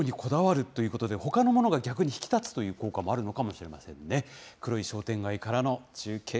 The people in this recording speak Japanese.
いやぁ、黒にこだわるということで、ほかのものが逆に引き立つという効果もあるのかもしれませんね。